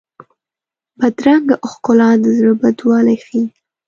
بدرنګه ښکلا د زړه بدوالی ښيي